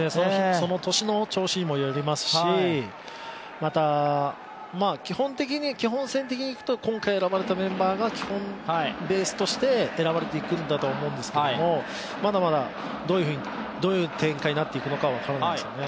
その年の調子にもよりますし、基本線的にいくと、今回のメンバーがベースとして選ばれていくんだと思うんですけれども、まだまだどういう展開になっていくのか分からないですよね。